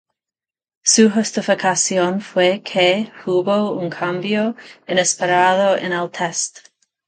Su justificación fue "que hubo un cambio inesperado en el test...".